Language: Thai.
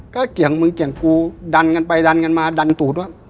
ก็เกี่ยงมึงเกี่ยงกูดันกันไปดันกันมาดันตูดว่า